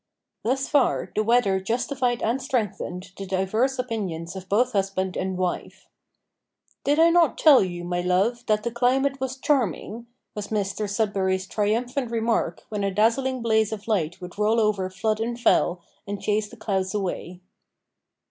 Thus far the weather justified and strengthened the diverse opinions of both husband and wife. "Did I not tell you, my love, that the climate was charming?" was Mr Sudberry's triumphant remark when a dazzling blaze of light would roll over flood and fell, and chase the clouds away.